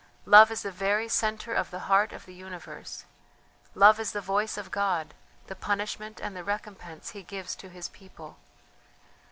Love is the very centre of the heart of the universe. Love is the voice of God, the punishment and the recompense He gives to His people.